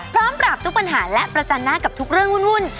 พร้อมปราบทุกปัญหาและประจันหน้ากับทุกเรื่องวุ่น